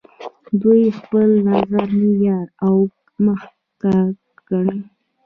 دوی خپل نظر معیار او محک ګڼي.